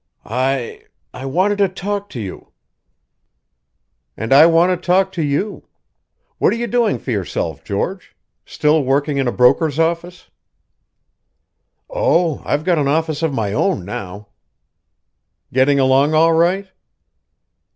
"I I wanted to talk to you " "And I want to talk to you. What are you doing for yourself, George? Still working in a broker's office?" "Oh, I've got an office of my own now." "Getting along all right?"